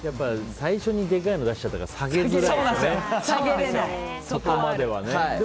最初にでかいの出しちゃったからそうなんですよ。